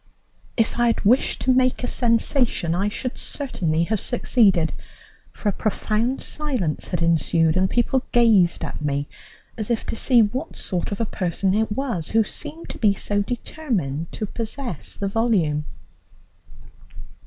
If I had wished to make a sensation I should certainly have succeeded, for a profound silence had ensued, and people gazed at me as if to see what sort of a person it was, who seemed to be so determined to possess the volume.